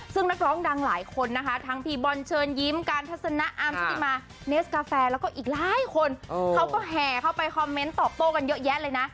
ซึ่งนักร้องดังหลายคนนะคะทั้งพี่บอลเชิญยิ้มการทัศนะอาร์มชุติมาเนสกาแฟแล้วก็อีกหลายคนเขาก็แห่เข้าไปคอมเมนต์ตอบโต้กันเยอะแยะเลยนะ